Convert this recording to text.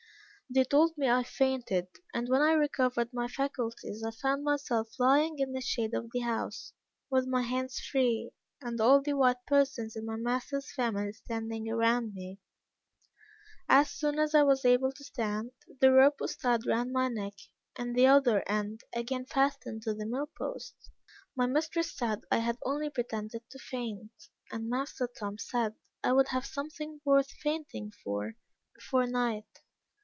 They told me I fainted; and when I recovered my faculties, I found myself lying in the shade of the house, with my hands free, and all the white persons in my master's family standing around me. As soon as I was able to stand, the rope was tied round my neck, and the other end again fastened to the mill post. My mistress said I had only pretended to faint; and master Tom said, I would have something worth fainting for before night.